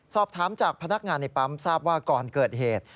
สอบถามจากพนักงานในปั๊มทราบว่าก่อนเกิดเหตุ